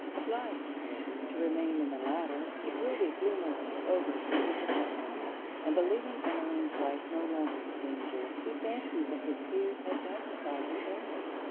Obliged, however, to remain in the latter, he brooded gloomily over his disappointment; and believing Emmeline's life no longer in danger, he fancied that his fears had magnified her illness.